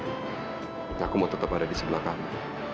dan aku mau tetap ada di sebelah kamu